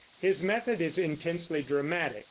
His method is intensely dramatic.